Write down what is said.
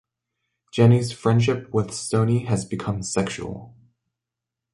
Jenny's friendship with Stoney has become sexual.